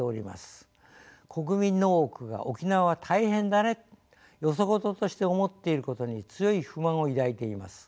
国民の多くが「沖縄は大変だね」とよそ事として思っていることに強い不満を抱いています。